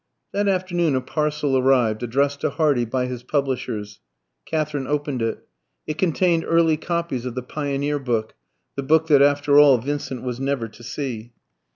That afternoon a parcel arrived, addressed to Hardy by his publishers. Katherine opened it. It contained early copies of the Pioneer book, the book that after all Vincent was never to see.